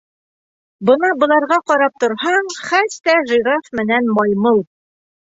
Бына, быларға ҡарап торһаң, хәс тә жираф менән маймыл.